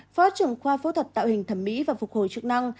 phó trưởng khoa phẫu thuật tạo hình thẩm mỹ và phục hồi chức năng